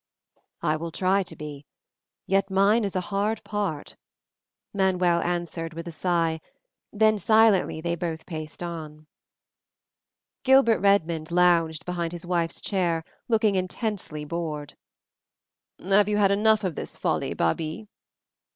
"I will try to be, yet mine is a hard part," Manuel answered with a sigh, then silently they both paced on. Gilbert Redmond lounged behind his wife's chair, looking intensely bored. "Have you had enough of this folly, Babie?"